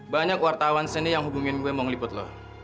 banyak wartawan seni yang hubungin gue mau ngeliput loh